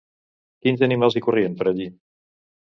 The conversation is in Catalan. Quins animals hi corrien per allí?